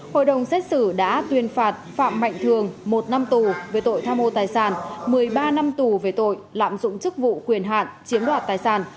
hội đồng xét xử đã tuyên phạt phạm mạnh thường một năm tù về tội tham mô tài sản một mươi ba năm tù về tội lạm dụng chức vụ quyền hạn chiếm đoạt tài sản